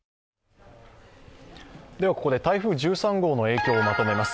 ここで台風１３号の影響をまとめます。